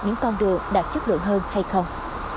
những con đường đạt chất lượng hơn hay không